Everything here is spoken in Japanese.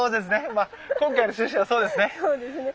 まあ今回の趣旨はそうですね。